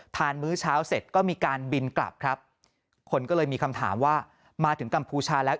มื้อเช้าเสร็จก็มีการบินกลับครับคนก็เลยมีคำถามว่ามาถึงกัมพูชาแล้ว